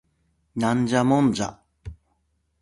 ナンジャモンジャ